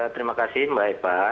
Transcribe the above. terima kasih mbak eva